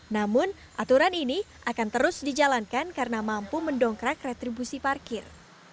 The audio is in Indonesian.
namun aturan ini akan terus dijalankan karena mampu mendongkrak retribusi parkir